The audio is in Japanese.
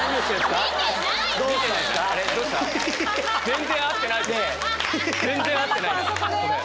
全然合ってないなこれ。